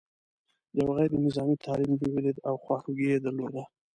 یو غیر نظامي طالب مې ولید او خواخوږي یې درلوده.